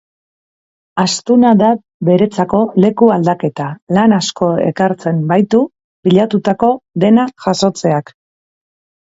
Astuna da beretzako leku aldaketa, lan asko ekartzen baitu pilatutako dena jasotzeak.